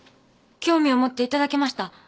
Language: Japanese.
興味を持っていただけました？